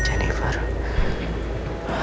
apasih telpon aja ya